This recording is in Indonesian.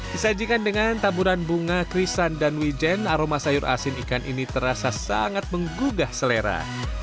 disajikan dengan taburan bunga krisan dan wijen aroma sayur asin ikan ini terasa sangat menggugah selera